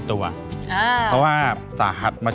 แม่บ้านประจันบัน